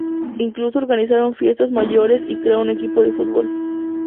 Incluso organizaron fiestas mayores y crearon un equipo de fútbol.